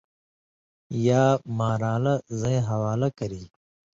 یا ماران٘لہ زَیں حوالہ کری،